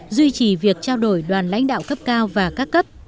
duy trì việc trao đổi đoàn lãnh đạo cấp cao và các cấp